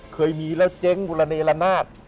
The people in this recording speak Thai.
เคยมีละเจ๊งละเนรละนาด